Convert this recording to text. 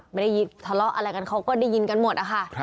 ไม่ได้ยินทะเลาะกันเขาก็ได้ยินกันหมด